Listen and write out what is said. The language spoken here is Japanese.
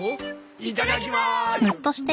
いただきます。